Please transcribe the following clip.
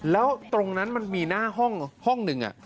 แล้วตรงนั้นมันมีหน้าห้องหนึ่ง